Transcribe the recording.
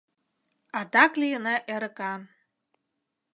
Адак лийына эрыкан!